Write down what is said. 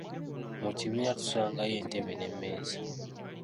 Mu kibiina tusangayo entebe n'emmeeza.